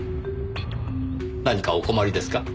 何かお困りですか？